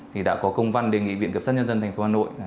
thì đã có công văn đề nghị viện cập sát nhân dân thành phố hà nội